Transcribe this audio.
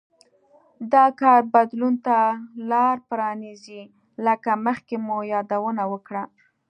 دا کار بدلون ته لار پرانېزي لکه مخکې مو یادونه وکړه